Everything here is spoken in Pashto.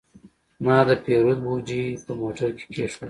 ما د پیرود بوجي په موټر کې کېښوده.